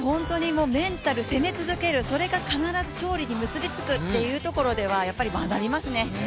メンタル、攻め続けるそれが必ず勝利に結びつくというところでは学びますね。